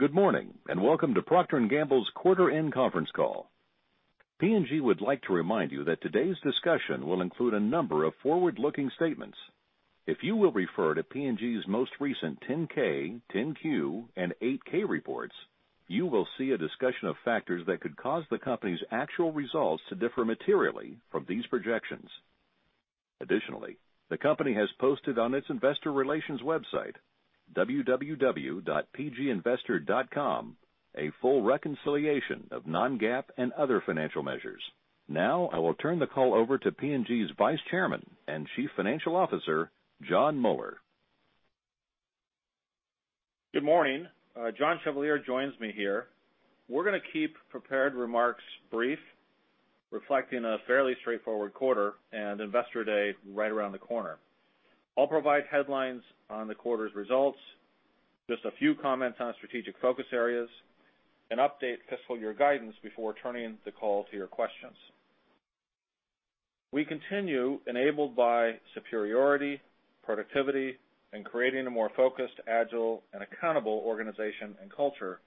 Good morning, and welcome to Procter & Gamble's quarter end conference call. P&G would like to remind you that today's discussion will include a number of forward-looking statements. If you will refer to P&G's most recent 10-K, 10-Q, and 8-K reports, you will see a discussion of factors that could cause the company's actual results to differ materially from these projections. Additionally, the company has posted on its investor relations website, pginvestor.com, a full reconciliation of non-GAAP and other financial measures. Now, I will turn the call over to P&G's Vice Chairman and Chief Financial Officer, Jon Moeller. Good morning. John Chevalier joins me here. We're going to keep prepared remarks brief, reflecting a fairly straightforward quarter and Investor Day right around the corner. I'll provide headlines on the quarter's results, just a few comments on strategic focus areas, and update fiscal year guidance before turning the call to your questions. We continue, enabled by superiority, productivity, and creating a more focused, agile and accountable organization and culture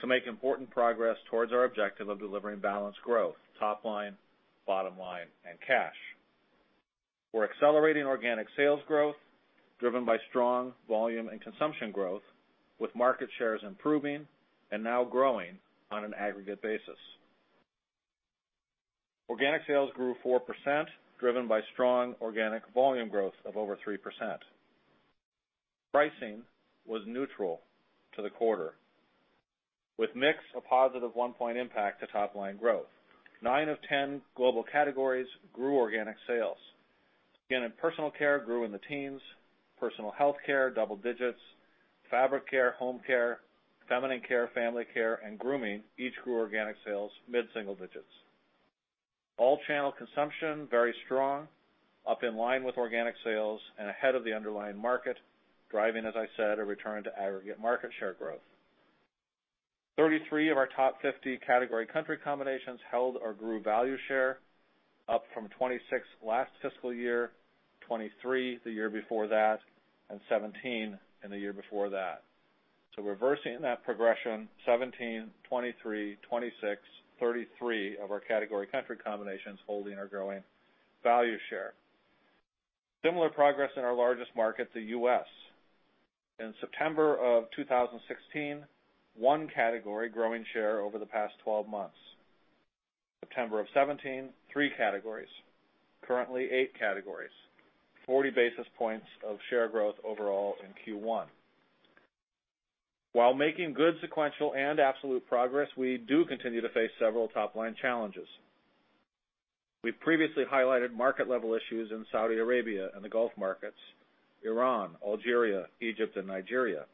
to make important progress towards our objective of delivering balanced growth, top line, bottom line, and cash. We're accelerating organic sales growth, driven by strong volume and consumption growth, with market shares improving and now growing on an aggregate basis. Organic sales grew 4%, driven by strong organic volume growth of over 3%. Pricing was neutral to the quarter, with mix a positive one-point impact to top line growth. Nine of 10 global categories grew organic sales. Skin and personal care grew in the teens, personal healthcare double digits, fabric care, home care, feminine care, family care, and grooming each grew organic sales mid-single digits. All channel consumption very strong, up in line with organic sales and ahead of the underlying market, driving, as I said, a return to aggregate market share growth. 33 of our top 50 category country combinations held or grew value share, up from 26 last fiscal year, 23 the year before that, and 17 in the year before that. So reversing that progression, 17, 23, 26, 33 of our category country combinations holding or growing value share. Similar progress in our largest market, the U.S. In September of 2016, one category growing share over the past 12 months. September of 2017, three categories. Currently, eight categories. 40 basis points of share growth overall in Q1. While making good sequential and absolute progress, we do continue to face several top-line challenges. We've previously highlighted market-level issues in Saudi Arabia and the Gulf markets, Iran, Algeria, Egypt, and Nigeria.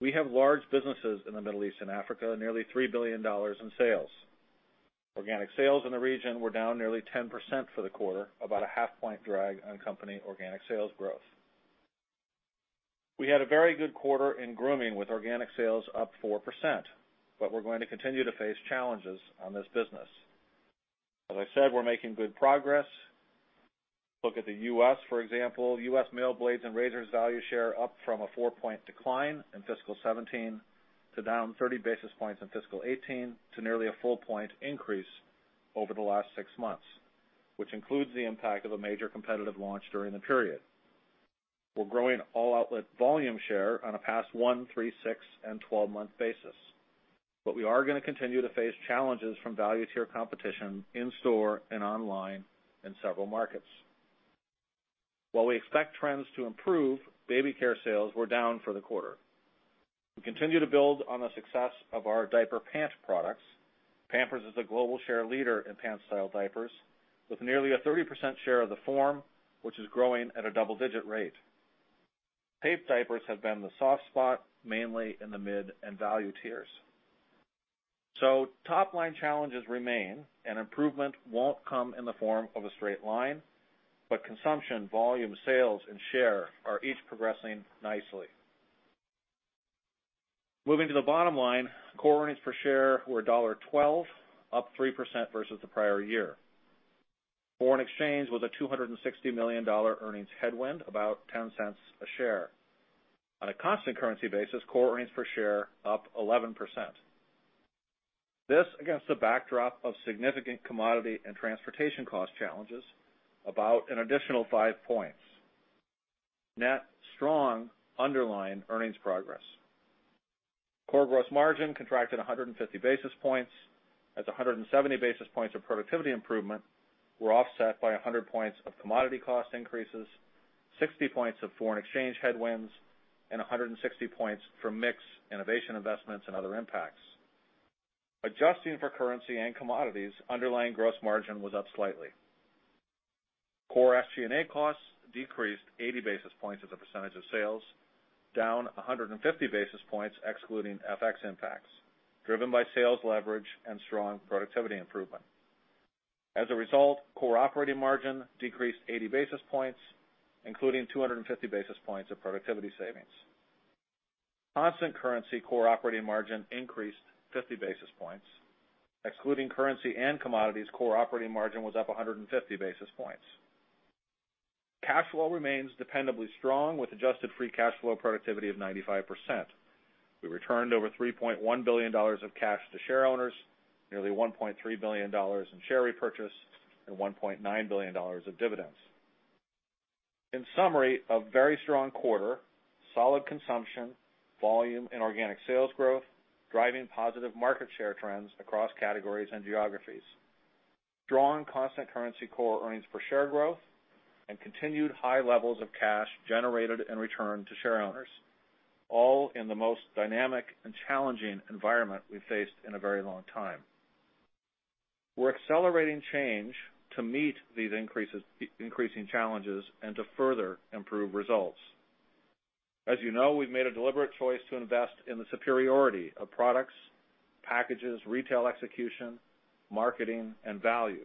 We have large businesses in the Middle East and Africa, nearly $3 billion in sales. Organic sales in the region were down nearly 10% for the quarter, about a half-point drag on company organic sales growth. We had a very good quarter in grooming with organic sales up 4%, but we're going to continue to face challenges on this business. As I said, we're making good progress. Look at the U.S., for example. U.S. male blades and razors value share up from a four-point decline in fiscal 2017 to down 30 basis points in fiscal 2018 to nearly a full point increase over the last six months, which includes the impact of a major competitive launch during the period. We're growing all outlet volume share on a past one, three, six, and 12-month basis. We are going to continue to face challenges from value tier competition in store and online in several markets. While we expect trends to improve, baby care sales were down for the quarter. We continue to build on the success of our diaper pant products. Pampers is a global share leader in pant-style diapers with nearly a 30% share of the form, which is growing at a double-digit rate. Tape diapers have been the soft spot, mainly in the mid and value tiers. Top-line challenges remain, and improvement won't come in the form of a straight line, consumption, volume, sales, and share are each progressing nicely. Moving to the bottom line, core earnings per share were $1.12, up 3% versus the prior year. Foreign exchange was a $260 million earnings headwind, about $0.10 a share. On a constant currency basis, core earnings per share up 11%. This against a backdrop of significant commodity and transportation cost challenges, about an additional five points. Net strong underlying earnings progress. Core gross margin contracted 150 basis points as 170 basis points of productivity improvement were offset by 100 points of commodity cost increases, 60 points of foreign exchange headwinds, and 160 points from mix, innovation investments, and other impacts. Adjusting for currency and commodities, underlying gross margin was up slightly. Core SG&A costs decreased 80 basis points as a percentage of sales, down 150 basis points excluding FX impacts, driven by sales leverage and strong productivity improvement. As a result, core operating margin decreased 80 basis points, including 250 basis points of productivity savings. Constant currency core operating margin increased 50 basis points. Excluding currency and commodities, core operating margin was up 150 basis points. Cash flow remains dependably strong with adjusted free cash flow productivity of 95%. We returned over $3.1 billion of cash to share owners, nearly $1.3 billion in share repurchase, and $1.9 billion of dividends. In summary, a very strong quarter, solid consumption, volume and organic sales growth, driving positive market share trends across categories and geographies. Strong constant currency core earnings per share growth, continued high levels of cash generated and returned to share owners, all in the most dynamic and challenging environment we've faced in a very long time. We're accelerating change to meet these increasing challenges and to further improve results. As you know, we've made a deliberate choice to invest in the superiority of products, packages, retail execution, marketing, and value,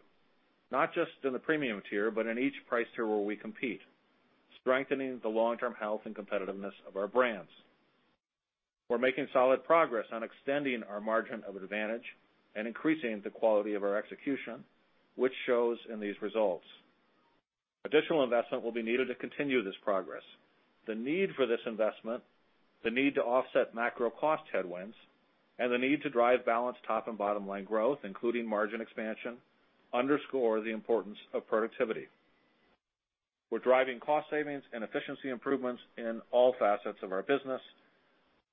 not just in the premium tier, but in each price tier where we compete, strengthening the long-term health and competitiveness of our brands. We're making solid progress on extending our margin of advantage and increasing the quality of our execution, which shows in these results. Additional investment will be needed to continue this progress. The need for this investment, the need to offset macro cost headwinds, and the need to drive balanced top and bottom-line growth, including margin expansion, underscore the importance of productivity. We're driving cost savings and efficiency improvements in all facets of our business,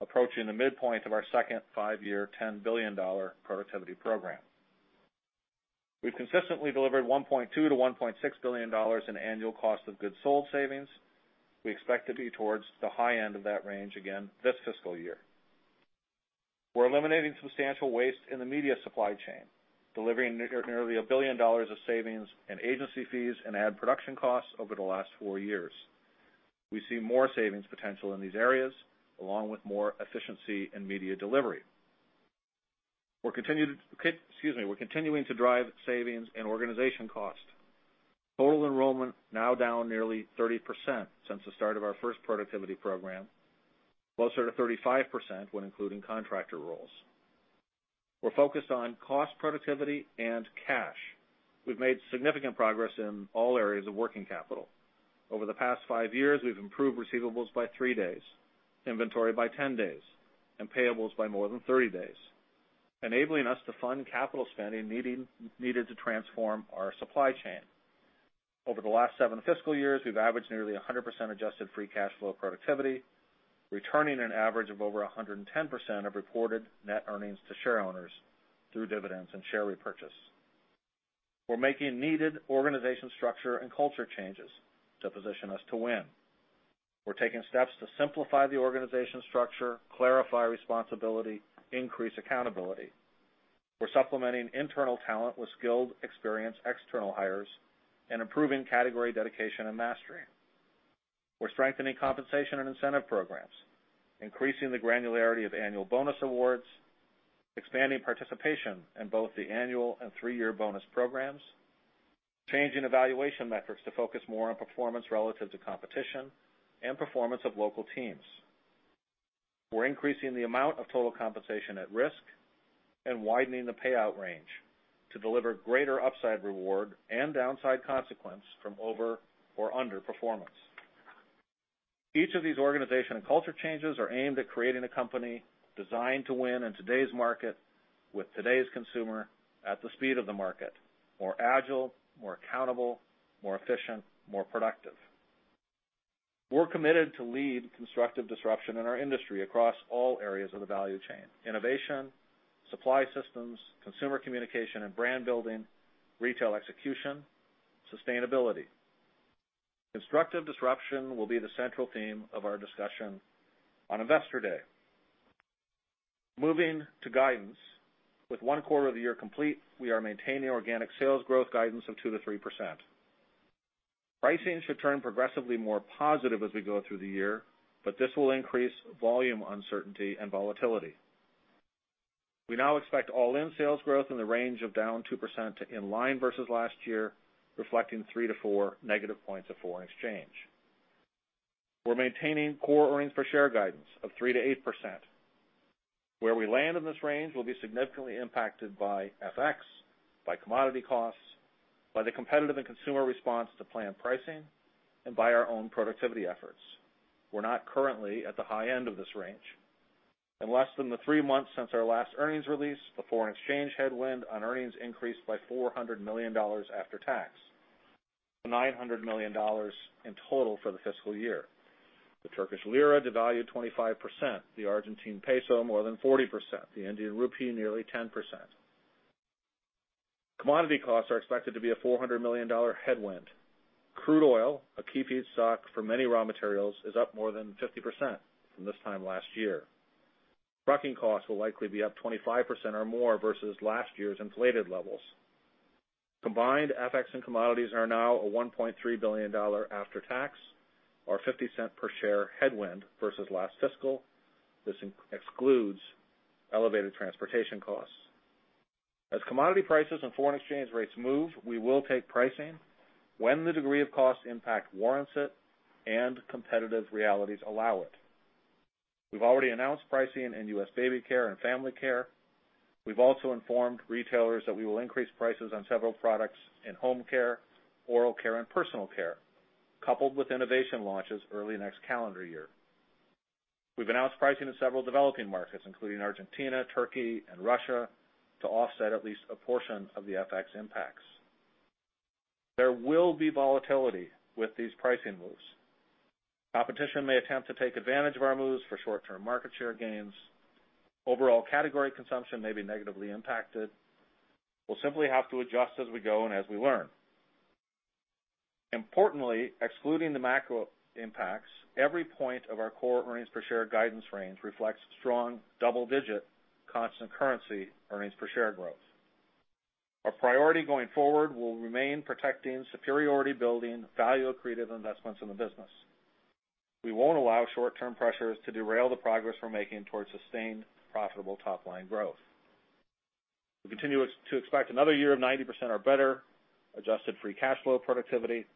approaching the midpoint of our second five-year, $10 billion productivity program. We've consistently delivered $1.2 billion-$1.6 billion in annual cost of goods sold savings. We expect to be towards the high end of that range again this fiscal year. We're eliminating substantial waste in the media supply chain, delivering nearly $1 billion of savings and agency fees and ad production costs over the last four years. We see more savings potential in these areas, along with more efficiency in media delivery. We're continuing to drive savings in organization cost. Total enrollment now down nearly 30% since the start of our first productivity program, closer to 35% when including contractor roles. We're focused on cost productivity and cash. We've made significant progress in all areas of working capital. Over the past five years, we've improved receivables by three days, inventory by 10 days, and payables by more than 30 days, enabling us to fund capital spending needed to transform our supply chain. Over the last seven fiscal years, we've averaged nearly 100% adjusted free cash flow productivity, returning an average of over 110% of reported net earnings to share owners through dividends and share repurchase. We're making needed organization structure and culture changes to position us to win. We're taking steps to simplify the organization structure, clarify responsibility, increase accountability. We're supplementing internal talent with skilled, experienced external hires and improving category dedication and mastery. We're strengthening compensation and incentive programs, increasing the granularity of annual bonus awards, expanding participation in both the annual and three-year bonus programs, changing evaluation metrics to focus more on performance relative to competition and performance of local teams. We're increasing the amount of total compensation at risk and widening the payout range to deliver greater upside reward and downside consequence from over or under performance. Each of these organization and culture changes are aimed at creating a company designed to win in today's market with today's consumer at the speed of the market, more agile, more accountable, more efficient, more productive. We're committed to lead constructive disruption in our industry across all areas of the value chain, innovation, supply systems, consumer communication and brand building, retail execution, sustainability. Constructive disruption will be the central theme of our discussion on Investor Day. Moving to guidance. With one quarter of the year complete, we are maintaining organic sales growth guidance of 2%-3%. Pricing should turn progressively more positive as we go through the year, but this will increase volume uncertainty and volatility. We now expect all-in sales growth in the range of down 2% to in line versus last year, reflecting three to four negative points of foreign exchange. We're maintaining core earnings per share guidance of 3%-8%. Where we land in this range will be significantly impacted by FX, by commodity costs, by the competitive and consumer response to planned pricing, and by our own productivity efforts. We're not currently at the high end of this range. In less than the three months since our last earnings release, the foreign exchange headwind on earnings increased by $400 million after tax, $900 million in total for the fiscal year. The Turkish lira devalued 25%, the Argentine peso more than 40%, the Indian rupee nearly 10%. Commodity costs are expected to be a $400 million headwind. Crude oil, a key feedstock for many raw materials, is up more than 50% from this time last year. Trucking costs will likely be up 25% or more versus last year's inflated levels. Combined, FX and commodities are now a $1.3 billion after-tax or $0.50 per share headwind versus last fiscal. This excludes elevated transportation costs. As commodity prices and foreign exchange rates move, we will take pricing when the degree of cost impact warrants it and competitive realities allow it. We've already announced pricing in U.S. baby care and family care. We've also informed retailers that we will increase prices on several products in home care, oral care, and personal care, coupled with innovation launches early next calendar year. We've announced pricing in several developing markets, including Argentina, Turkey, and Russia, to offset at least a portion of the FX impacts. There will be volatility with these pricing moves. Competition may attempt to take advantage of our moves for short-term market share gains. Overall category consumption may be negatively impacted. We'll simply have to adjust as we go and as we learn. Importantly, excluding the macro impacts, every point of our core earnings per share guidance range reflects strong double-digit constant currency earnings per share growth. Our priority going forward will remain protecting superiority building, value creative investments in the business. We won't allow short-term pressures to derail the progress we're making towards sustained profitable top-line growth. We continue to expect another year of 90% or better adjusted free cash flow productivity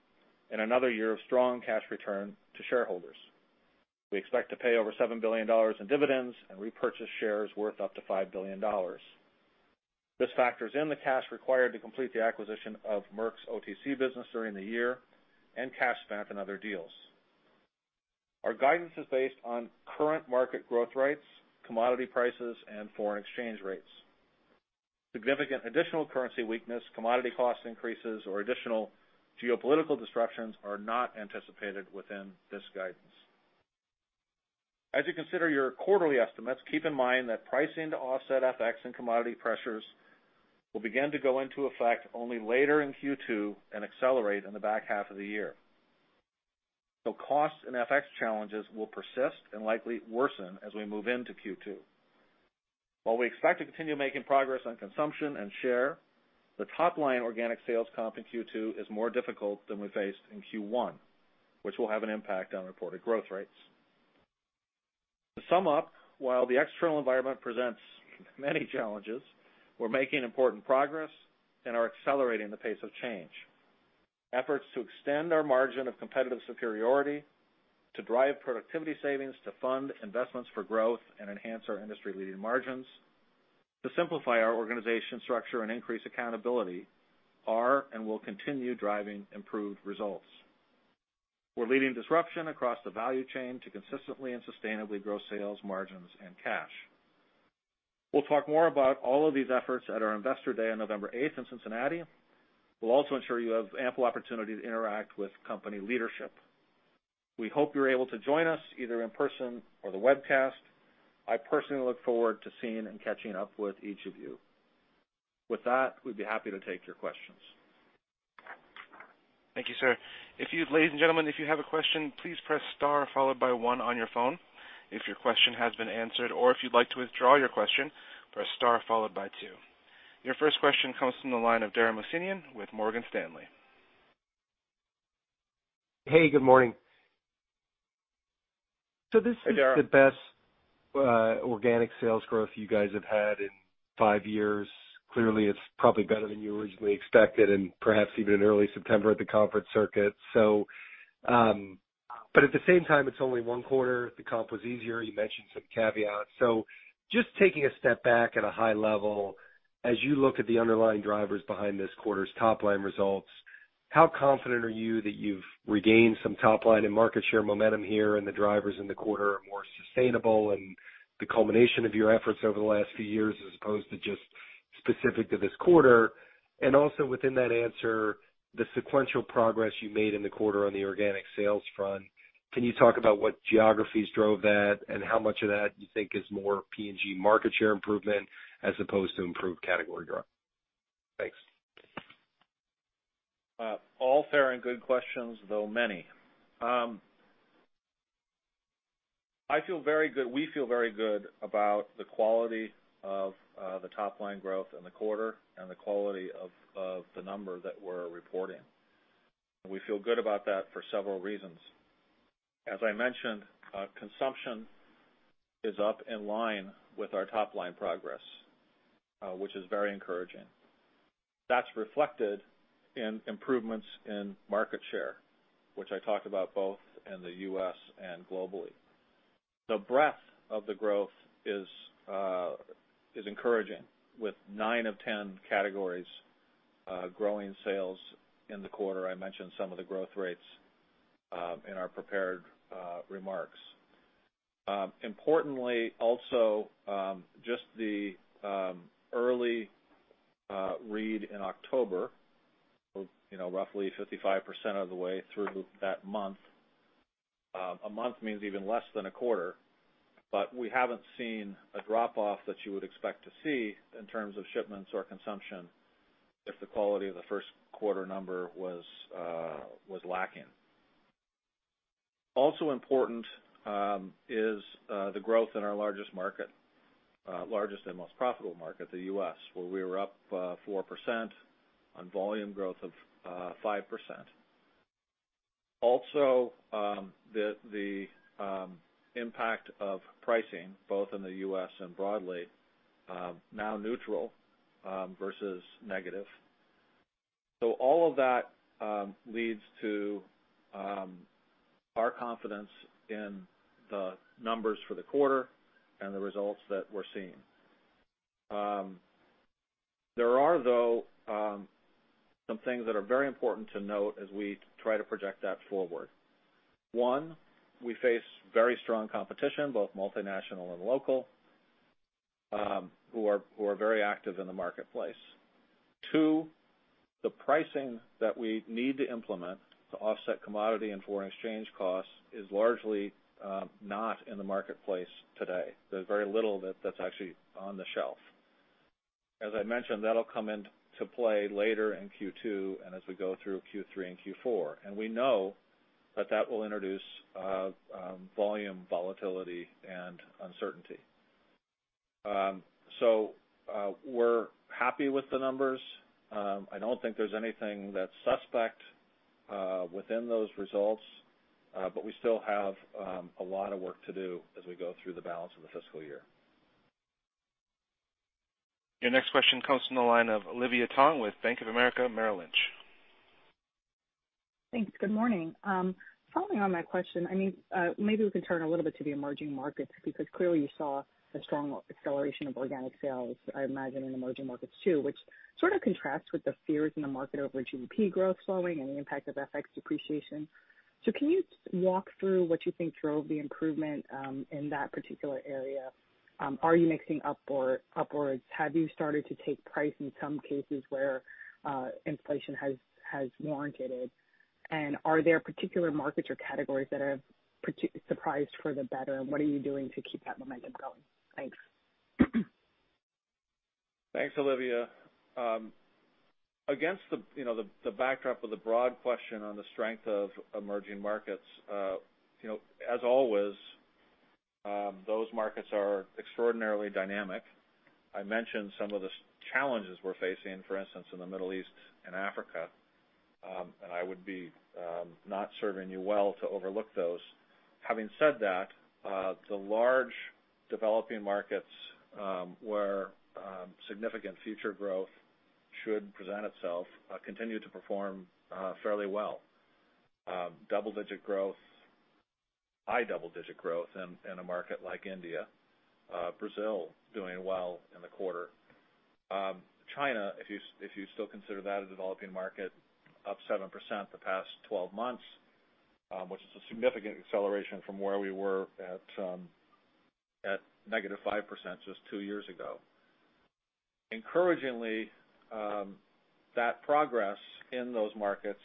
and another year of strong cash return to shareholders. We expect to pay over $7 billion in dividends and repurchase shares worth up to $5 billion. This factors in the cash required to complete the acquisition of Merck's OTC business during the year and cash spent on other deals. Our guidance is based on current market growth rates, commodity prices, and foreign exchange rates. Significant additional currency weakness, commodity cost increases, or additional geopolitical disruptions are not anticipated within this guidance. As you consider your quarterly estimates, keep in mind that pricing to offset FX and commodity pressures will begin to go into effect only later in Q2 and accelerate in the back half of the year. Cost and FX challenges will persist and likely worsen as we move into Q2. While we expect to continue making progress on consumption and share, the top-line organic sales comp in Q2 is more difficult than we faced in Q1, which will have an impact on reported growth rates. To sum up, while the external environment presents many challenges, we're making important progress and are accelerating the pace of change. Efforts to extend our margin of competitive superiority, to drive productivity savings to fund investments for growth and enhance our industry-leading margins, to simplify our organization structure and increase accountability are and will continue driving improved results. We're leading disruption across the value chain to consistently and sustainably grow sales margins and cash. We'll talk more about all of these efforts at our investor day on November 8th in Cincinnati. We'll also ensure you have ample opportunity to interact with company leadership. We hope you're able to join us either in person or the webcast. I personally look forward to seeing and catching up with each of you. With that, we'd be happy to take your questions. Thank you, sir. Ladies and gentlemen, if you have a question, please press star followed by one on your phone. If your question has been answered or if you'd like to withdraw your question, press star followed by two. Your first question comes from the line of Dara Mohsenian with Morgan Stanley. Hey, good morning. Hey, Dara. This is the best organic sales growth you guys have had in five years. It is probably better than you originally expected, and perhaps even in early September at the conference circuit. At the same time, it is only one quarter. The comp was easier. You mentioned some caveats. Just taking a step back at a high level, as you look at the underlying drivers behind this quarter's top-line results, how confident are you that you have regained some top-line and market share momentum here and the drivers in the quarter are more sustainable and the culmination of your efforts over the last few years as opposed to just specific to this quarter? Also within that answer, the sequential progress you made in the quarter on the organic sales front, can you talk about what geographies drove that and how much of that you think is more P&G market share improvement as opposed to improved category growth? Thanks. All fair and good questions, though many. We feel very good about the quality of the top-line growth in the quarter and the quality of the number that we are reporting. We feel good about that for several reasons. As I mentioned, consumption is up in line with our top-line progress, which is very encouraging. That is reflected in improvements in market share, which I talked about both in the U.S. and globally. The breadth of the growth is encouraging, with nine of 10 categories growing sales in the quarter. I mentioned some of the growth rates in our prepared remarks. Importantly, also, just the early read in October, roughly 55% of the way through that month. A month means even less than a quarter, we have not seen a drop-off that you would expect to see in terms of shipments or consumption if the quality of the first quarter number was lacking. Also important is the growth in our largest and most profitable market, the U.S., where we were up 4% on volume growth of 5%. Also, the impact of pricing, both in the U.S. and broadly, now neutral versus negative. All of that leads to our confidence in the numbers for the quarter and the results that we are seeing. There are, though, some things that are very important to note as we try to project that forward. One, we face very strong competition, both multinational and local, who are very active in the marketplace. Two, the pricing that we need to implement to offset commodity and foreign exchange costs is largely not in the marketplace today. There's very little that's actually on the shelf. As I mentioned, that'll come into play later in Q2, as we go through Q3 and Q4. We know that that will introduce volume, volatility, and uncertainty. We're happy with the numbers. I don't think there's anything that's suspect within those results, but we still have a lot of work to do as we go through the balance of the fiscal year. Your next question comes from the line of Olivia Tong with Bank of America Merrill Lynch. Thanks. Good morning. Following on that question, maybe we can turn a little bit to the emerging markets, because clearly you saw a strong acceleration of organic sales, I imagine in emerging markets too, which sort of contrasts with the fears in the market over GDP growth slowing and the impact of FX depreciation. Can you walk through what you think drove the improvement in that particular area? Are you mixing upwards? Have you started to take price in some cases where inflation has warranted it? Are there particular markets or categories that have surprised for the better, and what are you doing to keep that momentum going? Thanks. Thanks, Olivia. Against the backdrop of the broad question on the strength of emerging markets, as always, those markets are extraordinarily dynamic. I mentioned some of the challenges we're facing, for instance, in the Middle East and Africa. I would be not serving you well to overlook those. Having said that, the large developing markets, where significant future growth should present itself, continue to perform fairly well. Double-digit growth, high double-digit growth in a market like India. Brazil doing well in the quarter. China, if you still consider that a developing market, up 7% the past 12 months, which is a significant acceleration from where we were at negative 5% just two years ago. Encouragingly, that progress in those markets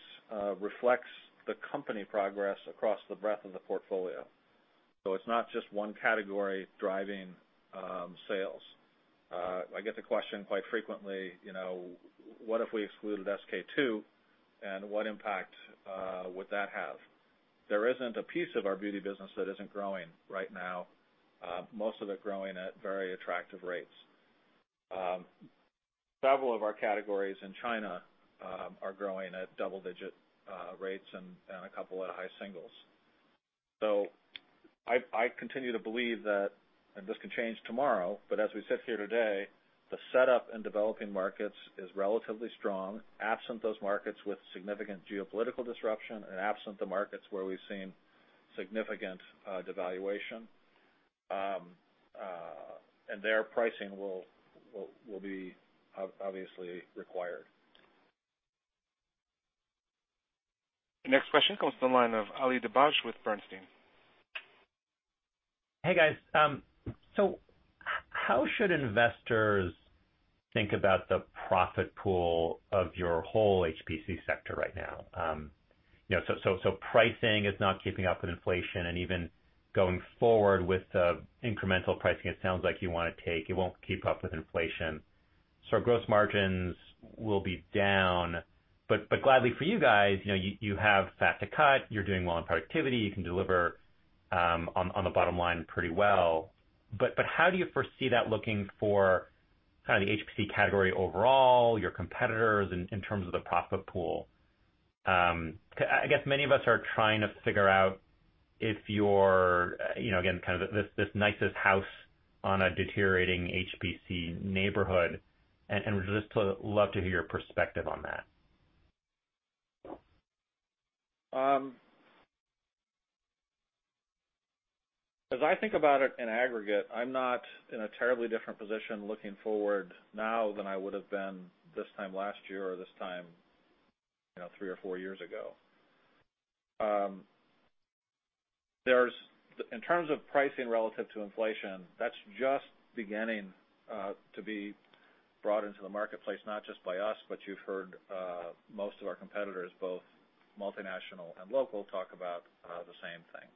reflects the company progress across the breadth of the portfolio. It's not just one category driving sales. I get the question quite frequently, what if we excluded SK-II, and what impact would that have? There isn't a piece of our beauty business that isn't growing right now. Most of them growing at very attractive rates. Several of our categories in China are growing at double-digit rates and a couple at high singles. I continue to believe that, and this can change tomorrow, but as we sit here today, the setup in developing markets is relatively strong, absent those markets with significant geopolitical disruption and absent the markets where we've seen significant devaluation. There, pricing will be obviously required. The next question comes to the line of Ali Dibadj with Bernstein. Hey, guys. How should investors think about the profit pool of your whole HPC sector right now? Pricing is not keeping up with inflation, even going forward with the incremental pricing it sounds like you want to take, it won't keep up with inflation. Gross margins will be down. Gladly for you guys, you have fat to cut. You're doing well in productivity. You can deliver on the bottom line pretty well. How do you foresee that looking for the HPC category overall, your competitors, in terms of the profit pool? I guess many of us are trying to figure out if you're, again, kind of this nicest house on a deteriorating HPC neighborhood, would just love to hear your perspective on that. As I think about it in aggregate, I'm not in a terribly different position looking forward now than I would've been this time last year or this time three or four years ago. In terms of pricing relative to inflation, that's just beginning to be brought into the marketplace, not just by us, but you've heard most of our competitors, both multinational and local, talk about the same thing.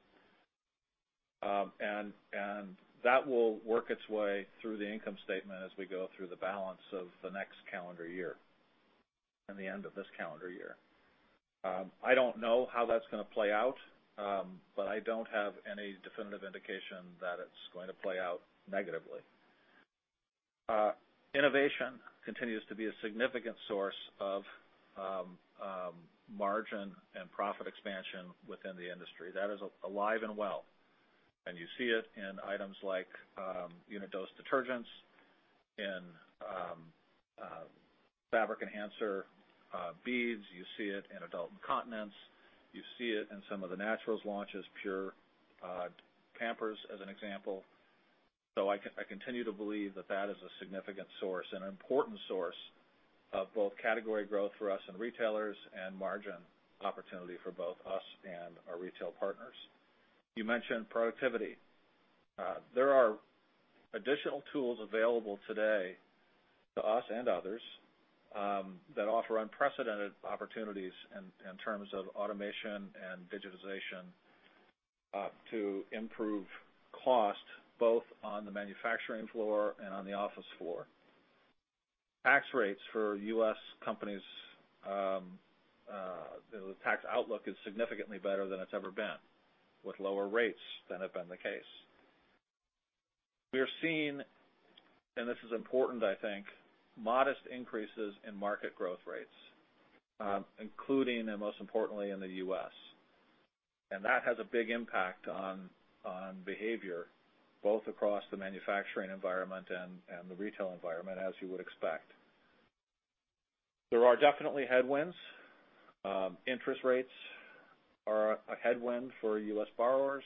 That will work its way through the income statement as we go through the balance of the next calendar year and the end of this calendar year. I don't know how that's going to play out, but I don't have any definitive indication that it's going to play out negatively. Innovation continues to be a significant source of margin and profit expansion within the industry, that is alive and well. You see it in items like unit-dose detergents, in fabric enhancer beads. You see it in adult incontinence. You see it in some of the naturals launches, Pampers Pure, as an example. I continue to believe that that is a significant source, an important source of both category growth for us and retailers, and margin opportunity for both us and our retail partners. You mentioned productivity. There are additional tools available today to us and others, that offer unprecedented opportunities in terms of automation and digitization, to improve cost, both on the manufacturing floor and on the office floor. Tax rates for U.S. companies, the tax outlook is significantly better than it's ever been, with lower rates than have been the case. We're seeing, and this is important I think, modest increases in market growth rates, including and most importantly, in the U.S. That has a big impact on behavior, both across the manufacturing environment and the retail environment, as you would expect. There are definitely headwinds. Interest rates are a headwind for U.S. borrowers.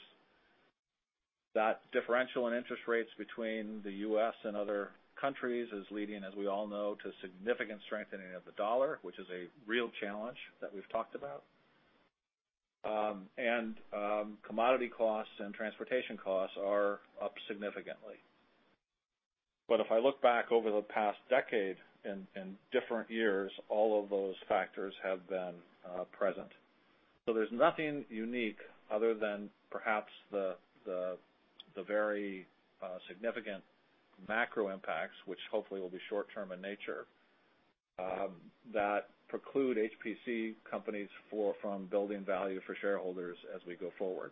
That differential in interest rates between the U.S. and other countries is leading, as we all know, to significant strengthening of the dollar, which is a real challenge that we've talked about. Commodity costs and transportation costs are up significantly. If I look back over the past decade in different years, all of those factors have been present. There's nothing unique other than perhaps the very significant macro impacts, which hopefully will be short-term in nature, that preclude HPC companies from building value for shareholders as we go forward.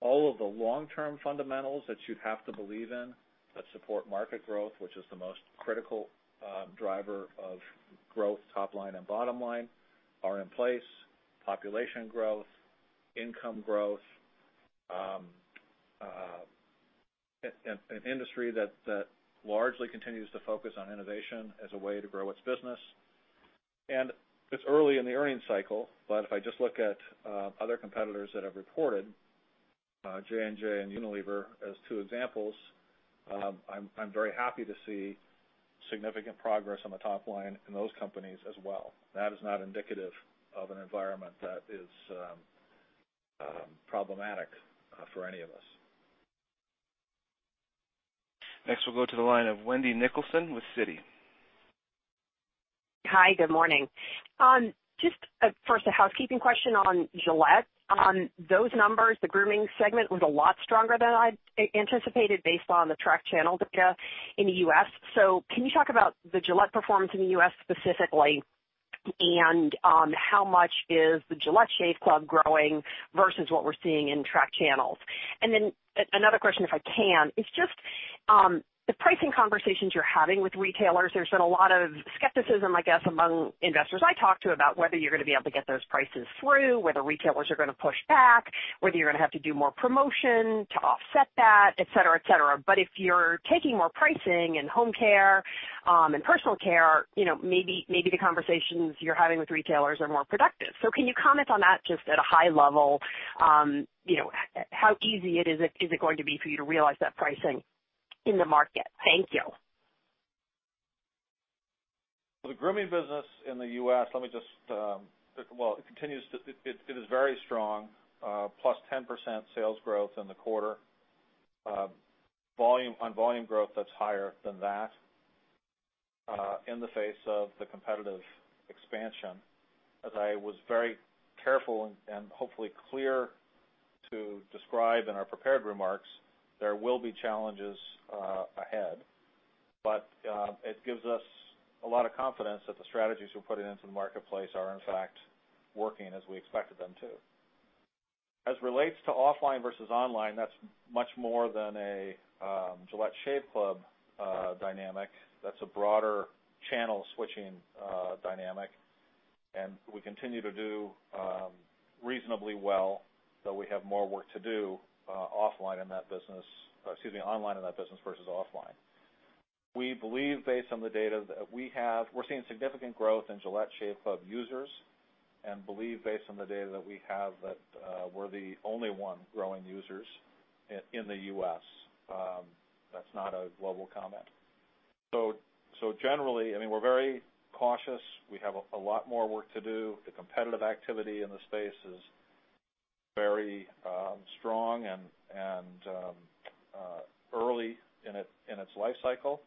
All of the long-term fundamentals that you'd have to believe in that support market growth, which is the most critical driver of growth, top line and bottom line, are in place. Population growth, income growth, an industry that largely continues to focus on innovation as a way to grow its business. It's early in the earnings cycle, but if I just look at other competitors that have reported, J&J and Unilever as two examples, I'm very happy to see significant progress on the top line in those companies as well. That is not indicative of an environment that is problematic for any of us. Next, we'll go to the line of Wendy Nicholson with Citi. Hi, good morning. Just first, a housekeeping question on Gillette. On those numbers, the grooming segment was a lot stronger than I anticipated based on the track channel data in the U.S. Can you talk about the Gillette performance in the U.S. specifically? How much is the Gillette Shave Club growing versus what we're seeing in track channels? Another question, if I can, is just the pricing conversations you're having with retailers. There's been a lot of skepticism, I guess, among investors I talked to about whether you're going to be able to get those prices through, whether retailers are going to push back, whether you're going to have to do more promotion to offset that, et cetera. If you're taking more pricing in home care, and personal care, maybe the conversations you're having with retailers are more productive. Can you comment on that just at a high level? How easy is it going to be for you to realize that pricing in the market? Thank you. The grooming business in the U.S., it is very strong. Plus 10% sales growth in the quarter. On volume growth, that's higher than that, in the face of the competitive expansion. As I was very careful and hopefully clear to describe in our prepared remarks, there will be challenges ahead. It gives us a lot of confidence that the strategies we're putting into the marketplace are in fact working as we expected them to. As relates to offline versus online, that's much more than a Gillette Shave Club dynamic. That's a broader channel switching dynamic. We continue to do reasonably well, though we have more work to do online in that business versus offline. We're seeing significant growth in Gillette Shave Club users, and believe based on the data that we have, that we're the only one growing users in the U.S. That's not a global comment. Generally, we're very cautious. We have a lot more work to do. The competitive activity in the space is very strong and early in its life cycle.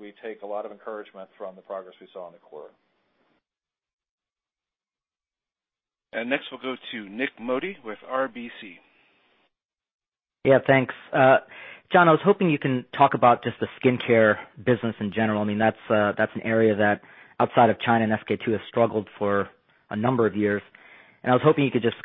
We take a lot of encouragement from the progress we saw in the quarter. Next, we'll go to Nik Modi with RBC. Yeah, thanks. Jon, I was hoping you can talk about just the skincare business in general. That's an area that outside of China and SK-II has struggled for a number of years. I was hoping you could just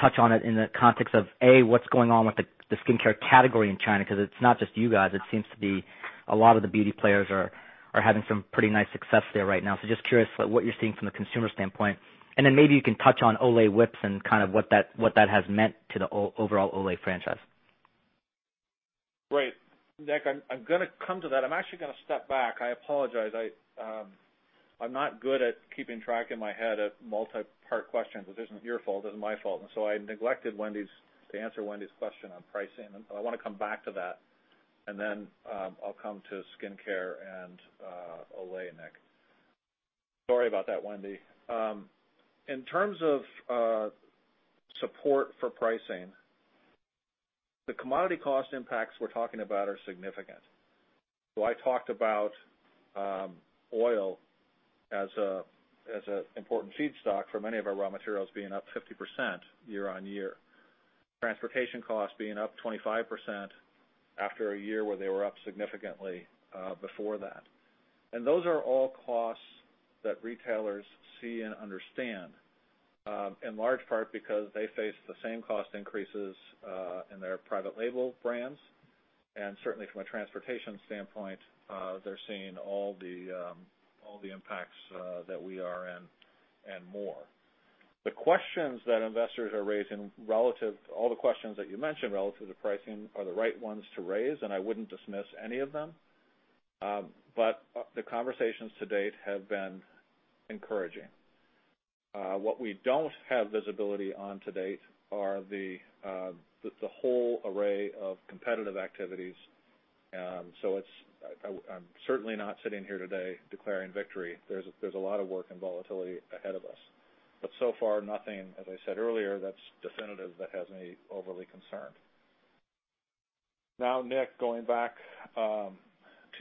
touch on it in the context of, A, what's going on with the skincare category in China, because it's not just you guys. It seems to be a lot of the beauty players are having some pretty nice success there right now. Just curious what you're seeing from the consumer standpoint, and then maybe you can touch on Olay Whips and what that has meant to the overall Olay franchise. Great. Nik, I'm going to come to that. I'm actually going to step back. I apologize. I'm not good at keeping track in my head of multi-part questions. It isn't your fault, it isn't my fault. I neglected to answer Wendy's question on pricing, so I want to come back to that. Then I'll come to skincare and Olay, Nik. Sorry about that, Wendy. In terms of support for pricing, the commodity cost impacts we're talking about are significant. I talked about oil as an important feedstock for many of our raw materials being up 50% year-on-year. Transportation costs being up 25% after a year where they were up significantly before that. Those are all costs that retailers see and understand, in large part because they face the same cost increases in their private label brands. Certainly from a transportation standpoint, they're seeing all the impacts that we are and more. The questions that investors are raising, all the questions that you mentioned relative to pricing are the right ones to raise, and I wouldn't dismiss any of them. The conversations to date have been encouraging. What we don't have visibility on to date are the whole array of competitive activities. I'm certainly not sitting here today declaring victory. There's a lot of work and volatility ahead of us. So far nothing, as I said earlier, that's definitive that has me overly concerned. Nik, going back to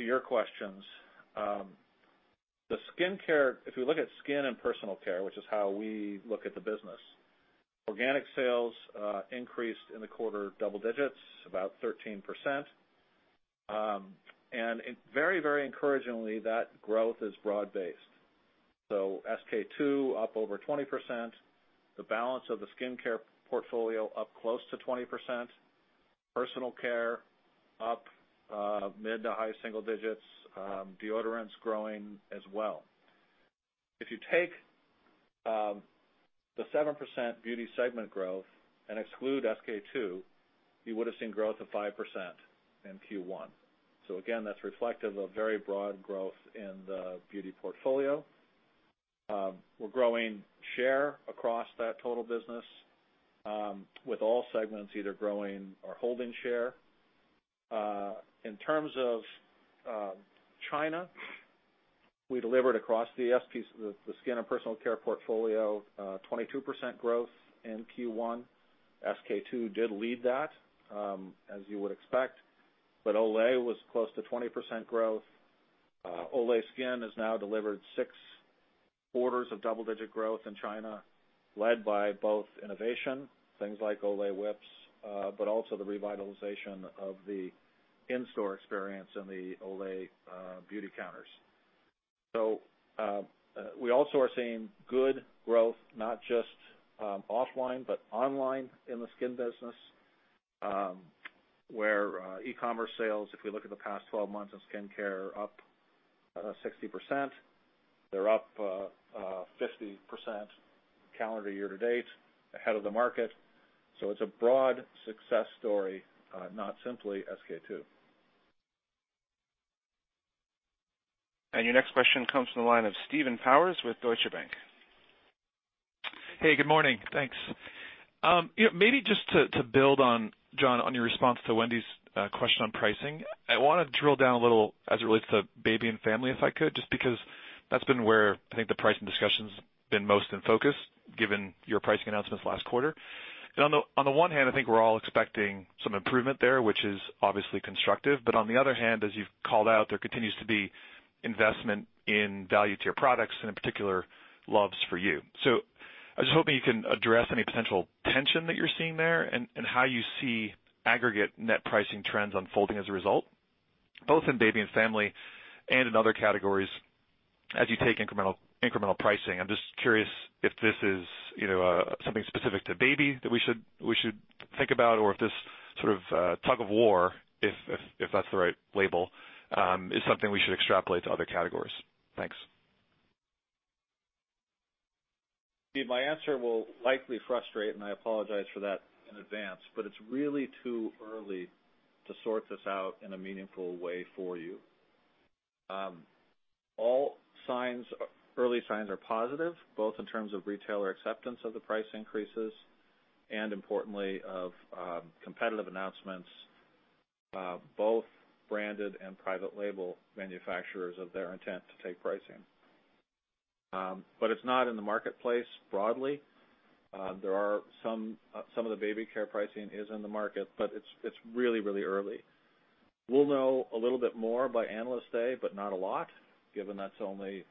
your questions. If we look at skin and personal care, which is how we look at the business, organic sales increased in the quarter double digits, about 13%. Very encouragingly, that growth is broad based. SK-II up over 20%, the balance of the skincare portfolio up close to 20%, personal care up mid to high single digits, deodorants growing as well. If you take the 7% beauty segment growth and exclude SK-II, you would've seen growth of 5% in Q1. Again, that's reflective of very broad growth in the beauty portfolio. We're growing share across that total business, with all segments either growing or holding share. In terms of China, we delivered across the skin and personal care portfolio 22% growth in Q1. SK-II did lead that, as you would expect, but Olay was close to 20% growth. Olay Skin has now delivered six quarters of double-digit growth in China, led by both innovation, things like Olay Whips, but also the revitalization of the in-store experience in the Olay beauty counters. We also are seeing good growth, not just offline, but online in the skin business, where e-commerce sales, if we look at the past 12 months of skincare, are up 60%. They're up 50% calendar year to date, ahead of the market. It's a broad success story, not simply SK-II. Your next question comes from the line of Steve Powers with Deutsche Bank. Hey, good morning. Thanks. Maybe just to build on, Jon, on your response to Wendy's question on pricing, I want to drill down a little as it relates to baby and family, if I could, just because that's been where I think the pricing discussion's been most in focus, given your pricing announcements last quarter. On the one hand, I think we're all expecting some improvement there, which is obviously constructive. On the other hand, as you've called out, there continues to be investment in value tier products, and in particular, Luvs For You. I was just hoping you can address any potential tension that you're seeing there, and how you see aggregate net pricing trends unfolding as a result, both in baby and family and in other categories as you take incremental pricing. I'm just curious if this is something specific to baby that we should think about, or if this sort of tug of war, if that's the right label, is something we should extrapolate to other categories. Thanks. Steve, my answer will likely frustrate. I apologize for that in advance, but it's really too early to sort this out in a meaningful way for you. All early signs are positive, both in terms of retailer acceptance of the price increases and importantly, of competitive announcements, both branded and private label manufacturers of their intent to take pricing. It's not in the marketplace broadly. Some of the baby care pricing is in the market, but it's really early. We'll know a little bit more by Analyst Day, but not a lot, given that's only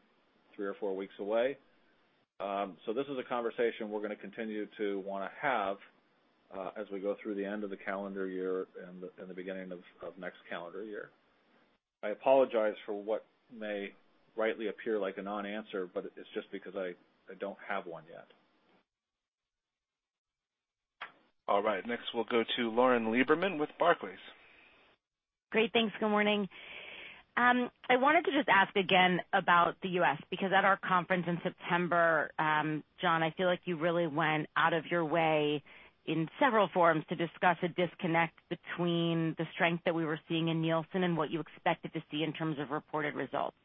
three or four weeks away. This is a conversation we're going to continue to want to have as we go through the end of the calendar year and the beginning of next calendar year. I apologize for what may rightly appear like a non-answer, but it's just because I don't have one yet. All right. Next, we'll go to Lauren Lieberman with Barclays. Great. Thanks. Good morning. I wanted to just ask again about the U.S., because at our conference in September, Jon, I feel like you really went out of your way in several forums to discuss a disconnect between the strength that we were seeing in Nielsen and what you expected to see in terms of reported results.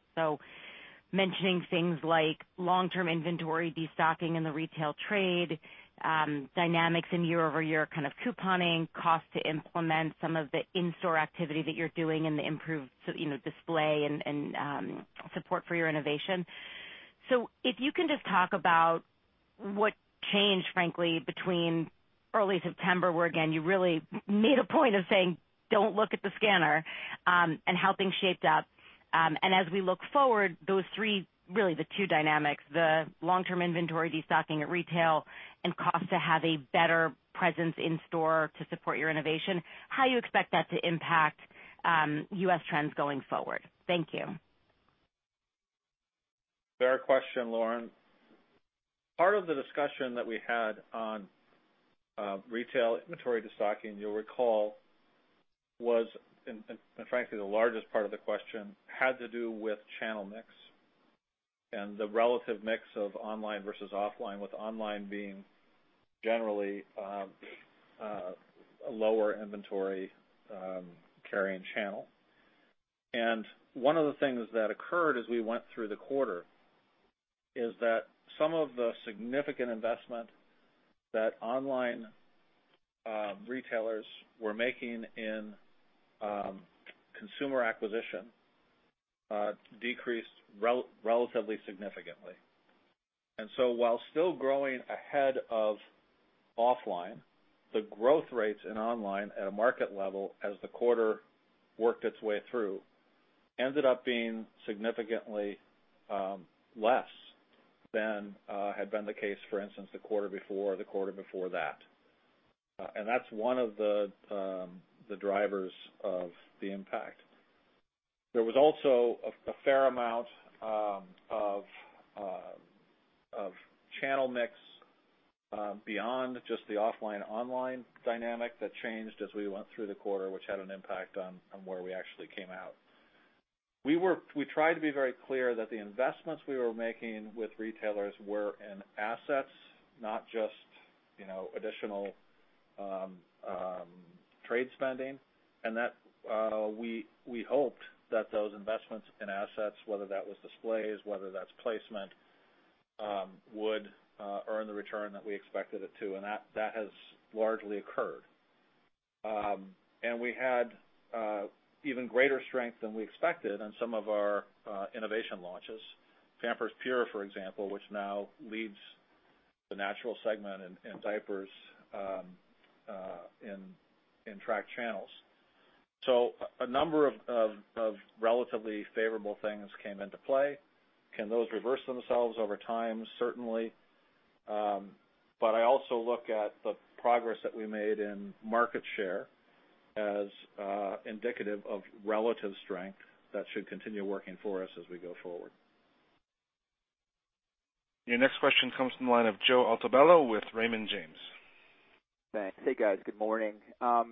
Mentioning things like long-term inventory, destocking in the retail trade, dynamics in year-over-year kind of couponing, cost to implement some of the in-store activity that you're doing and the improved display and support for your innovation. If you can just talk about what changed, frankly, between early September, where again, you really made a point of saying, "Don't look at the scanner," and how things shaped up. As we look forward, those three, really the two dynamics, the long-term inventory destocking at retail and cost to have a better presence in-store to support your innovation, how you expect that to impact U.S. trends going forward. Thank you. Fair question, Lauren. Part of the discussion that we had on retail inventory destocking, you'll recall, was, and frankly, the largest part of the question, had to do with channel mix and the relative mix of online versus offline, with online being generally a lower inventory carrying channel. One of the things that occurred as we went through the quarter is that some of the significant investment that online retailers were making in consumer acquisition decreased relatively significantly. While still growing ahead of offline, the growth rates in online at a market level as the quarter worked its way through, ended up being significantly less than had been the case, for instance, the quarter before, the quarter before that. That's one of the drivers of the impact. There was also a fair amount of channel mix beyond just the offline/online dynamic that changed as we went through the quarter, which had an impact on where we actually came out. We tried to be very clear that the investments we were making with retailers were in assets, not just additional trade spending. That we hoped that those investments in assets, whether that was displays, whether that's placement, would earn the return that we expected it to, and that has largely occurred. We had even greater strength than we expected on some of our innovation launches. Pampers Pure, for example, which now leads the natural segment in diapers in track channels. A number of relatively favorable things came into play. Can those reverse themselves over time? Certainly. I also look at the progress that we made in market share as indicative of relative strength that should continue working for us as we go forward. Your next question comes from the line of Joe Altobello with Raymond James. Thanks. Hey, guys. Good morning. I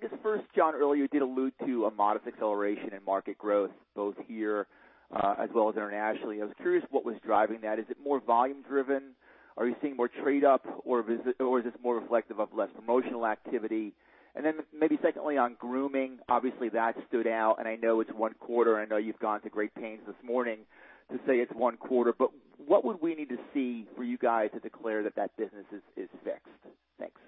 guess first, Jon, earlier you did allude to a modest acceleration in market growth both here as well as internationally. I was curious what was driving that. Is it more volume driven? Are you seeing more trade up, or is this more reflective of less promotional activity? Maybe secondly, on grooming, obviously that stood out, and I know it's one quarter. I know you've gone to great pains this morning to say it's one quarter, but what would we need to see for you guys to declare that that business is fixed? Thanks.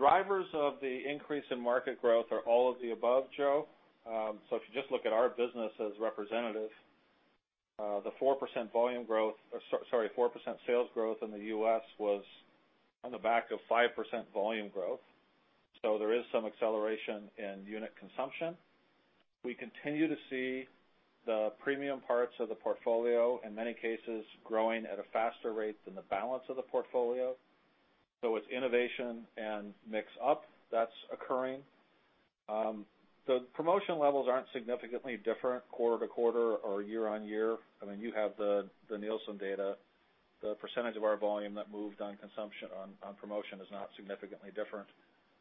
Drivers of the increase in market growth are all of the above, Joe. If you just look at our business as representative, the 4% volume growth, or sorry, 4% sales growth in the U.S. was on the back of 5% volume growth. There is some acceleration in unit consumption. We continue to see the premium parts of the portfolio, in many cases, growing at a faster rate than the balance of the portfolio. It's innovation and mix up that's occurring. The promotion levels aren't significantly different quarter-to-quarter or year-on-year. You have the Nielsen data. The percentage of our volume that moved on promotion is not significantly different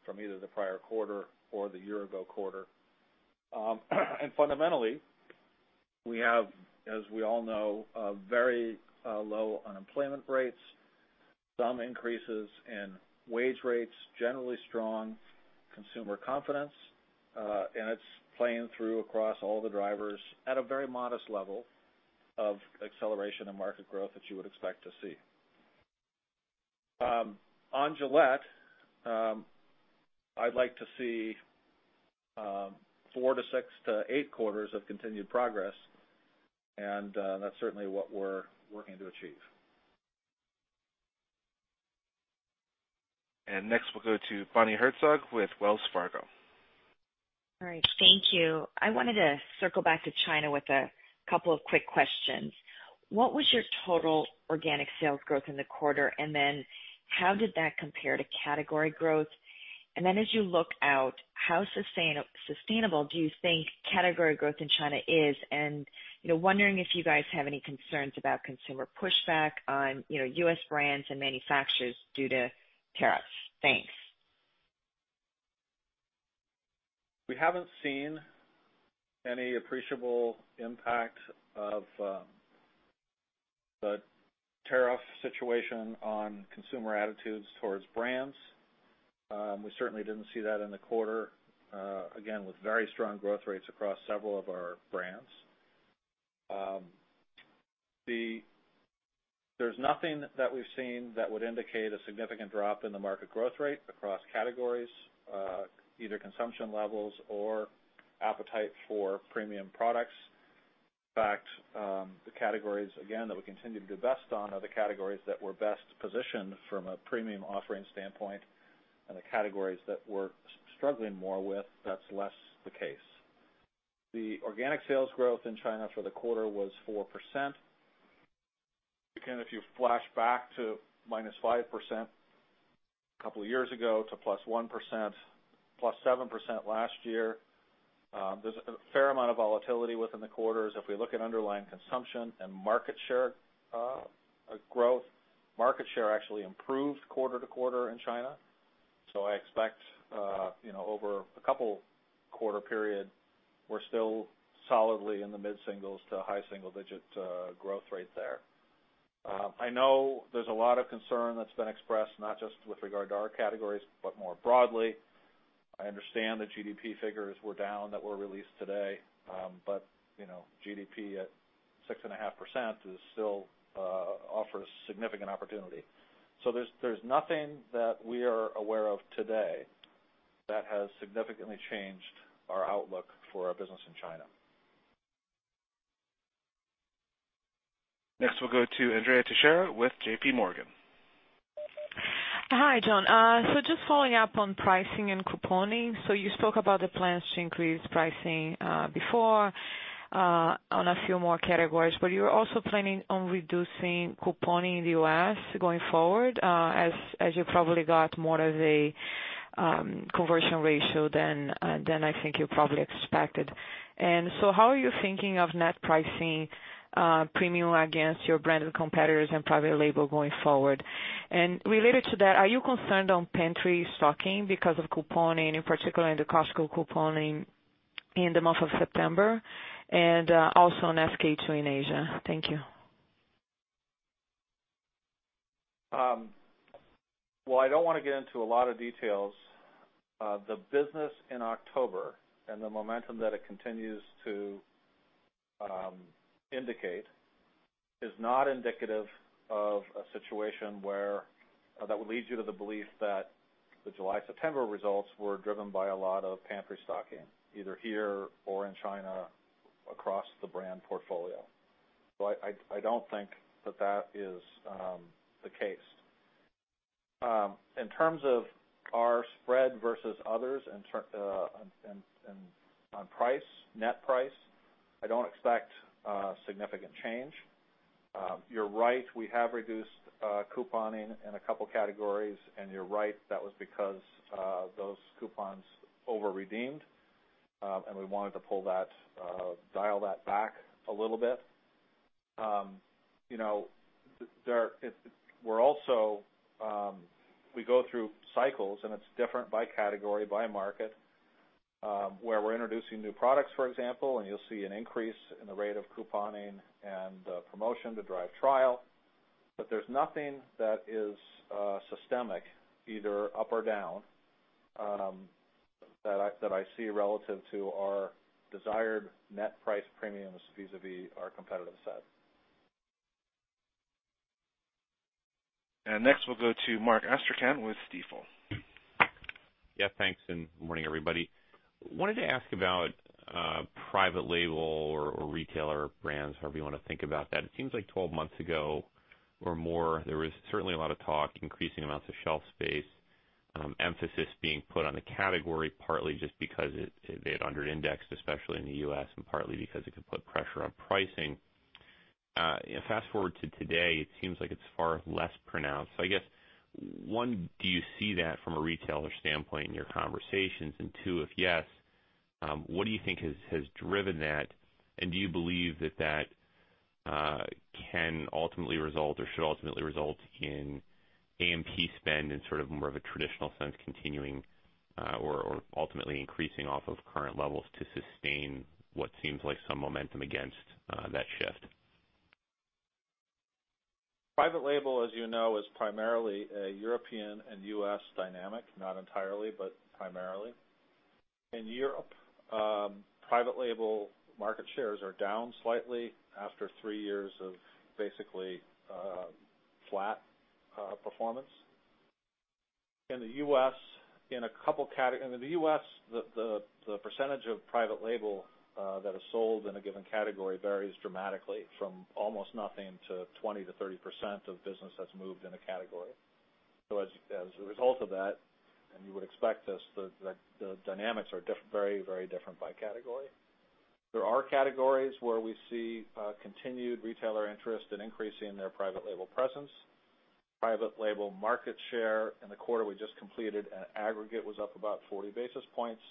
from either the prior quarter or the year-ago quarter. Fundamentally, we have, as we all know, very low unemployment rates, some increases in wage rates, generally strong consumer confidence, and it's playing through across all the drivers at a very modest level of acceleration and market growth that you would expect to see. On Gillette, I'd like to see four to six to eight quarters of continued progress, and that's certainly what we're working to achieve. Next, we'll go to Bonnie Herzog with Wells Fargo. All right. Thank you. I wanted to circle back to China with a couple of quick questions. What was your total organic sales growth in the quarter? How did that compare to category growth? Then as you look out, how sustainable do you think category growth in China is? Wondering if you guys have any concerns about consumer pushback on U.S. brands and manufacturers due to tariffs. Thanks. We haven't seen any appreciable impact of the tariff situation on consumer attitudes towards brands. We certainly didn't see that in the quarter, again, with very strong growth rates across several of our brands. There's nothing that we've seen that would indicate a significant drop in the market growth rate across categories, either consumption levels or appetite for premium products. In fact, the categories, again, that we continue to do best on are the categories that we're best positioned from a premium offering standpoint, and the categories that we're struggling more with, that's less the case. The organic sales growth in China for the quarter was 4%. Again, if you flash back to -5% a couple of years ago to +1%, +7% last year, there's a fair amount of volatility within the quarters. If we look at underlying consumption and market share growth, market share actually improved quarter-to-quarter in China. I expect, over a couple-quarter period, we're still solidly in the mid-singles to high single-digit growth rate there. I know there's a lot of concern that's been expressed, not just with regard to our categories, but more broadly. I understand the GDP figures were down that were released today. GDP at 6.5% still offers significant opportunity. There's nothing that we are aware of today that has significantly changed our outlook for our business in China. Next, we'll go to Andrea Teixeira with JPMorgan. Hi, Jon. Just following up on pricing and couponing. You spoke about the plans to increase pricing before on a few more categories, but you're also planning on reducing couponing in the U.S. going forward, as you probably got more of a conversion ratio than I think you probably expected. How are you thinking of net pricing premium against your branded competitors and private label going forward? Related to that, are you concerned on pantry stocking because of couponing, in particular in the Costco couponing in the month of September, and also on SK-II in Asia? Thank you. While I don't want to get into a lot of details, the business in October and the momentum that it continues to indicate is not indicative of a situation that would lead you to the belief that the July-September results were driven by a lot of pantry stocking, either here or in China across the brand portfolio. I don't think that that is the case. In terms of our spread versus others on net price, I don't expect a significant change. You're right, we have reduced couponing in a couple categories, and you're right, that was because those coupons over-redeemed, and we wanted to dial that back a little bit. We go through cycles, and it's different by category, by market, where we're introducing new products, for example, and you'll see an increase in the rate of couponing and promotion to drive trial. There's nothing that is systemic, either up or down, that I see relative to our desired net price premiums vis-a-vis our competitive set. Next, we'll go to Mark Astrachan with Stifel. Thanks, and good morning, everybody. I wanted to ask about private label or retailer brands, however you want to think about that. It seems like 12 months ago or more, there was certainly a lot of talk, increasing amounts of shelf space, emphasis being put on the category, partly just because it had under-indexed, especially in the U.S., and partly because it could put pressure on pricing. Fast-forward to today, it seems like it's far less pronounced. I guess, one, do you see that from a retailer standpoint in your conversations? Two, if yes, what do you think has driven that? Do you believe that that can ultimately result or should ultimately result in A&P spend in sort of more of a traditional sense continuing or ultimately increasing off of current levels to sustain what seems like some momentum against that shift? Private label, as you know, is primarily a European and U.S. dynamic, not entirely, but primarily. In Europe, private label market shares are down slightly after three years of basically flat performance. In the U.S., the percentage of private label that is sold in a given category varies dramatically from almost nothing to 20%-30% of business that's moved in a category. As a result of that, and you would expect this, the dynamics are very different by category. There are categories where we see continued retailer interest in increasing their private label presence. Private label market share in the quarter we just completed at aggregate was up about 40 basis points.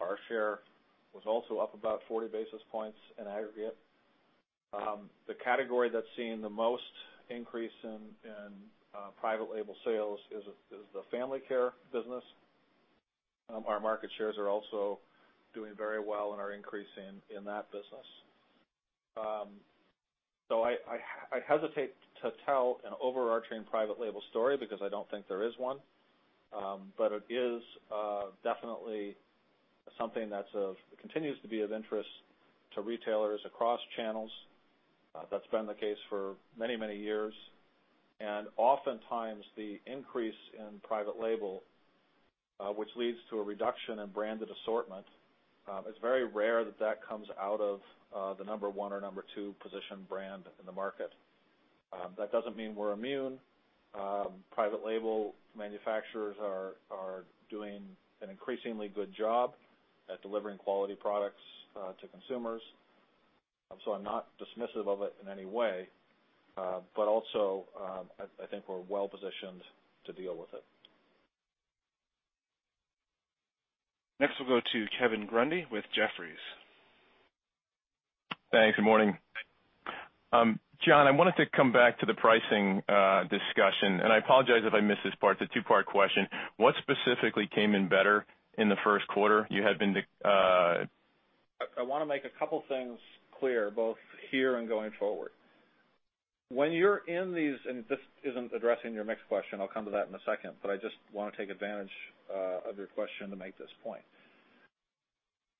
Our share was also up about 40 basis points in aggregate. The category that's seen the most increase in private label sales is the family care business. Our market shares are also doing very well and are increasing in that business. I'd hesitate to tell an overarching private label story because I don't think there is one. It is definitely something that continues to be of interest to retailers across channels. That's been the case for many, many years. Oftentimes, the increase in private label, which leads to a reduction in branded assortment, it's very rare that that comes out of the number one or number two position brand in the market. That doesn't mean we're immune. Private label manufacturers are doing an increasingly good job at delivering quality products to consumers. I'm not dismissive of it in any way. Also, I think we're well-positioned to deal with it. Next, we'll go to Kevin Grundy with Jefferies. Thanks, good morning. John, I wanted to come back to the pricing discussion, and I apologize if I missed this part. It's a two-part question. What specifically came in better in the first quarter? I want to make a couple things clear, both here and going forward. When you're in these, this isn't addressing your mix question, I'll come to that in a second, I just want to take advantage of your question to make this point.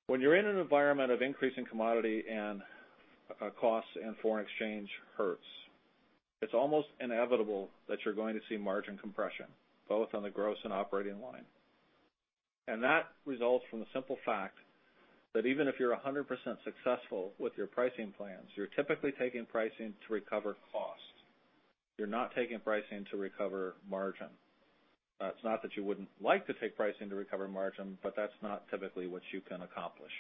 When you're in an environment of increasing commodity and costs and foreign exchange hurts, it's almost inevitable that you're going to see margin compression, both on the gross and operating line. That results from the simple fact that even if you're 100% successful with your pricing plans, you're typically taking pricing to recover cost. You're not taking pricing to recover margin. It's not that you wouldn't like to take pricing to recover margin, but that's not typically what you can accomplish.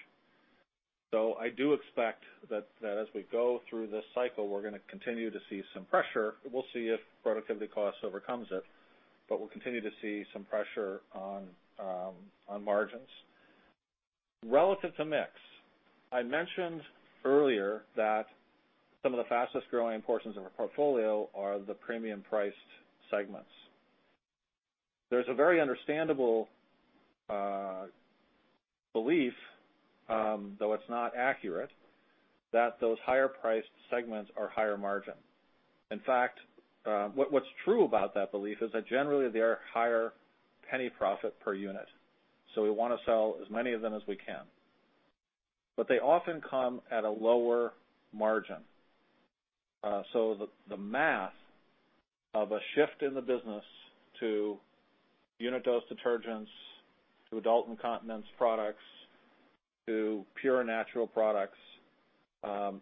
I do expect that as we go through this cycle, we're going to continue to see some pressure. We'll see if productivity cost overcomes it. We'll continue to see some pressure on margins. Relative to mix, I mentioned earlier that some of the fastest-growing portions of our portfolio are the premium-priced segments. There's a very understandable belief, though it's not accurate, that those higher priced segments are higher margin. In fact, what's true about that belief is that generally they are higher penny profit per unit, so we want to sell as many of them as we can. They often come at a lower margin. The math of a shift in the business to unit dose detergents, to adult incontinence products, to pure natural products,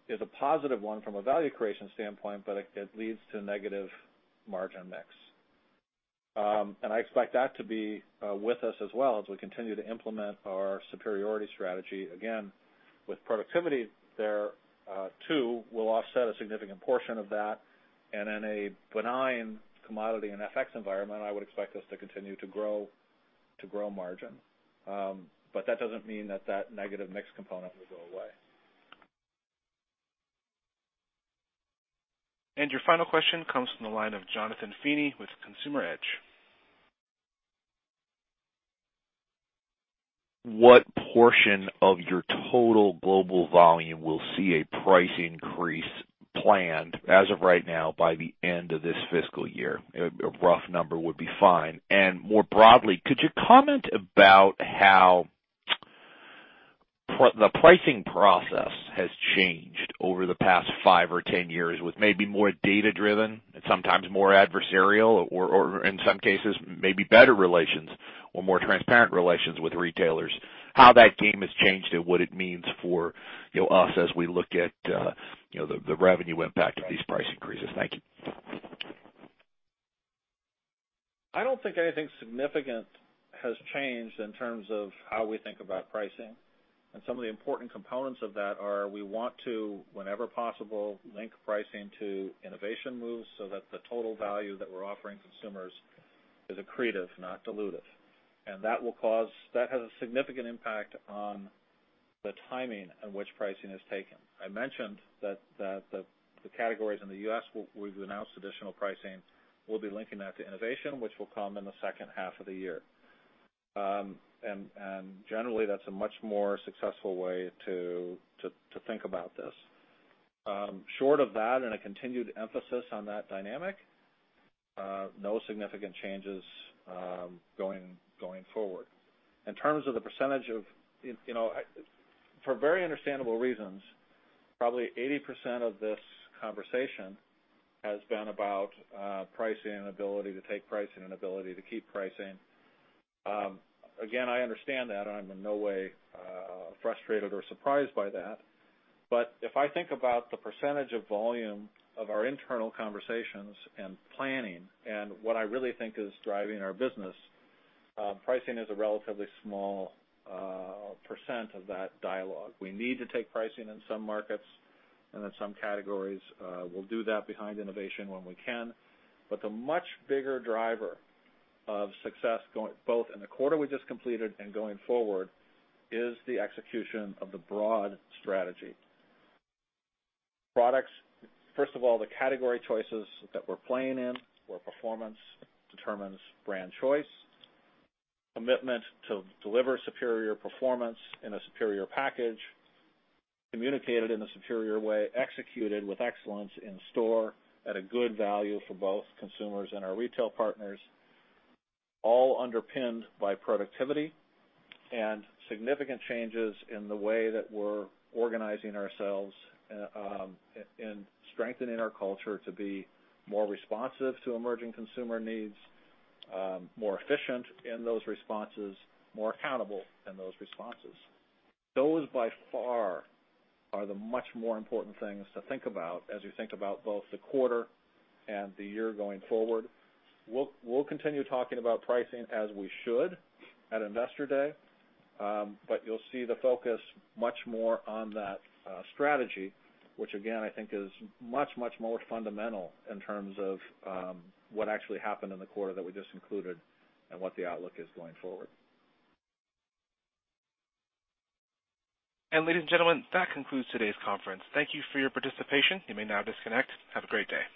is a positive one from a value creation standpoint, but it leads to negative margin mix. I expect that to be with us as well as we continue to implement our superiority strategy. Again, with productivity there too, we'll offset a significant portion of that. In a benign commodity and FX environment, I would expect us to continue to grow margin. That doesn't mean that that negative mix component will go away. Your final question comes from the line of Jonathan Feeney with Consumer Edge. What portion of your total global volume will see a price increase planned as of right now by the end of this fiscal year? A rough number would be fine. More broadly, could you comment about how the pricing process has changed over the past five or 10 years with maybe more data-driven and sometimes more adversarial or, in some cases, maybe better relations or more transparent relations with retailers. How that game has changed and what it means for us as we look at the revenue impact of these price increases. Thank you. I don't think anything significant has changed in terms of how we think about pricing, some of the important components of that are we want to, whenever possible, link pricing to innovation moves so that the total value that we're offering consumers is accretive, not dilutive. That has a significant impact on the timing in which pricing is taken. I mentioned that the categories in the U.S. where we've announced additional pricing, we'll be linking that to innovation, which will come in the second half of the year. Generally, that's a much more successful way to think about this. Short of that and a continued emphasis on that dynamic, no significant changes going forward. In terms of for very understandable reasons, probably 80% of this conversation has been about pricing and ability to take pricing and ability to keep pricing. Again, I understand that, and I'm in no way frustrated or surprised by that. If I think about the percentage of volume of our internal conversations and planning and what I really think is driving our business, pricing is a relatively small % of that dialogue. We need to take pricing in some markets and in some categories. We'll do that behind innovation when we can. The much bigger driver of success, both in the quarter we just completed and going forward, is the execution of the broad strategy. Products, first of all, the category choices that we're playing in, where performance determines brand choice, commitment to deliver superior performance in a superior package, communicated in a superior way, executed with excellence in store at a good value for both consumers and our retail partners, all underpinned by productivity and significant changes in the way that we're organizing ourselves and strengthening our culture to be more responsive to emerging consumer needs, more efficient in those responses, more accountable in those responses. Those, by far, are the much more important things to think about as you think about both the quarter and the year going forward. We'll continue talking about pricing as we should at Investor Day, you'll see the focus much more on that strategy, which again, I think is much more fundamental in terms of what actually happened in the quarter that we just concluded and what the outlook is going forward. Ladies and gentlemen, that concludes today's conference. Thank you for your participation. You may now disconnect. Have a great day.